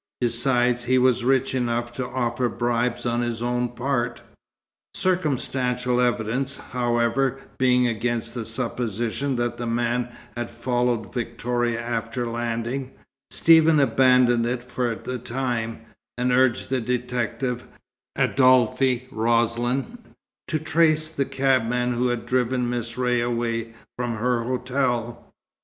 Besides, he was rich enough to offer bribes on his own part. Circumstantial evidence, however, being against the supposition that the man had followed Victoria after landing, Stephen abandoned it for the time, and urged the detective, Adolphe Roslin, to trace the cabman who had driven Miss Ray away from her hotel.